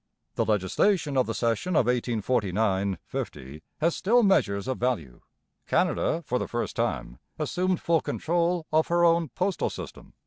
The legislation of the session of 1849 50 has still measures of value. Canada for the first time assumed full control of her own postal system.